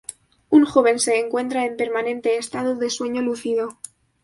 Un joven se encuentra en permanente estado de sueño lúcido.